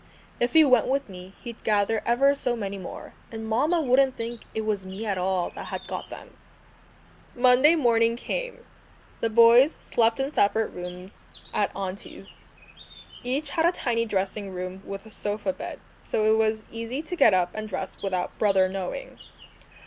"If he went with me, he'd gather ever so many more, and Mamma wouldn't think it was me at all that had got them." Monday morning came. The boys slept in separate rooms at Auntie's. Each had a tiny dressing room with a sofa bed, so it was easy to get up and dress without "brother" knowing.